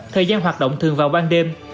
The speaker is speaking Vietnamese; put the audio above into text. thời gian hoạt động thường vào ban đêm